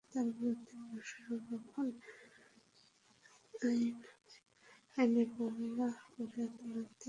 পরে তাঁদের বিরুদ্ধে মৎস্য সংরক্ষণ আইনে মামলা করে আদালতে সোপর্দ করা হয়।